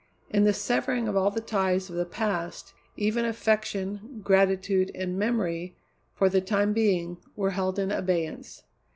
In the severing of all the ties of the past, even affection, gratitude, and memory, for the time being, were held in abeyance.